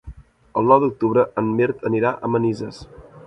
El nou d'octubre en Mirt anirà a Manises.